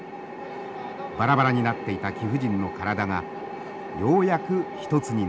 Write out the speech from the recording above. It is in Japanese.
バラバラになっていた貴婦人の体がようやく１つになるのです。